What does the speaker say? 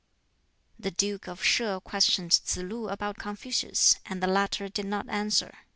The Duke of Shih questioned Tsz lu about Confucius, and the latter did not answer.